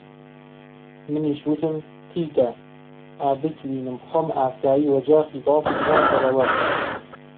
منیش وتم: قیتە! ئا بتوینم خۆم ئاسایی وەجاخی باوکت ڕوون کەرەوە